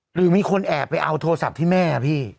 หรือมีคนแอบไปเอาโทรศัพท์ที่แม่พี่